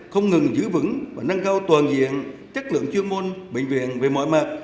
không ngừng giữ vững và nâng cao toàn diện chất lượng chuyên môn bệnh viện về mọi mặt